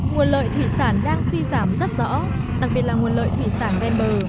nguồn lợi thủy sản đang suy giảm rất rõ đặc biệt là nguồn lợi thủy sản ven bờ